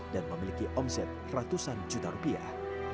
dan memiliki omset ratusan juta rupiah